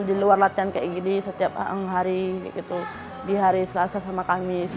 di luar latihan kayak gini setiap hari di hari selasa sama kamis